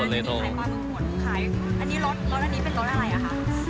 อันนี้รถรถอันนี้เป็นรถอะไรอ่ะค่ะ